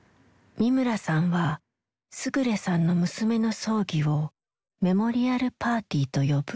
三村さんは勝さんの娘の葬儀を「メモリアル・パーティー」と呼ぶ。